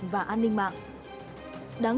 và an ninh mạng